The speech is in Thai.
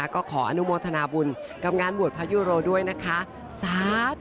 ก็ขออนุโมทนาบุญกับงานบวชพระยุโรด้วยนะคะ